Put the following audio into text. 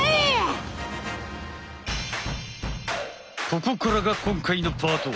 ここからが今回のパート！